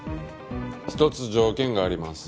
一つ条件があります。